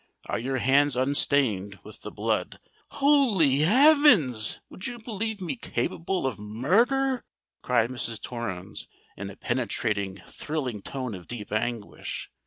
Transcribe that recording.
Are your hands unstained with the blood——" "Holy heavens! would you believe me capable of murder?" cried Mrs. Torrens, in a penetrating, thrilling tone of deep anguish.